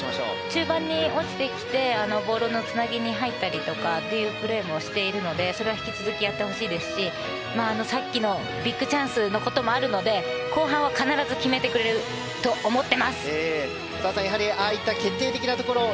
中盤に落ちてきてボールのつなぎに入ったりというプレーもしているのでそれを引き続きやってほしいですしさっきのビッグチャンスのこともあるので後半は必ず決めてくれると澤さん、ああいった決定的なところを